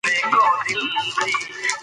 چلن د حل لاره څرګندوي.